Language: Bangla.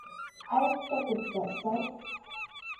আরেকটা কুত্তা, স্যার।